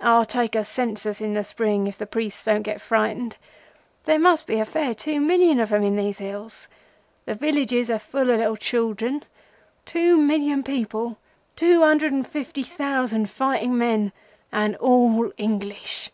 I'll take a census in the spring if the priests don't get frightened. There must be a fair two million of 'em in these hills. The villages are full o' little children. Two million people—two hundred and fifty thousand fighting men—and all English!